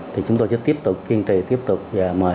thì chúng tôi sẽ tiếp tục kiên trì tiếp tục và mời